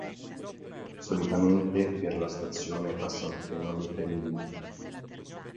Solitamente per la stazione passa un treno ogni tre minuti.